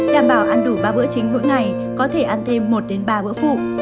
đảm bảo ăn đủ ba bữa chính mỗi ngày có thể ăn thêm một ba bữa phụ